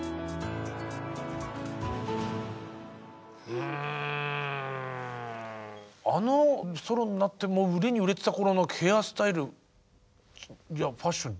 うんあのソロになってもう売れに売れてた頃のヘアスタイルやファッション